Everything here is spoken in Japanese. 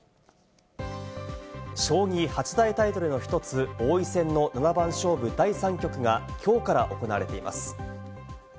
将棋八大タイトルの１つ、王位戦の七番勝負第３局がきょうから行われています。